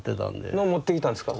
のを持ってきたんですか。